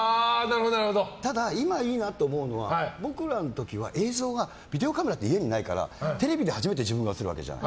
ただ、今いいなと思うのは僕らの時は映像がビデオカメラって家にないからテレビで初めて自分が映るわけじゃん。